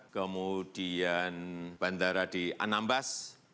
kemudian bandara di anambas